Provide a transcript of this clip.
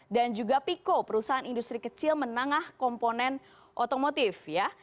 dan juga pico perusahaan industri kecil menangah komponen otomotif ya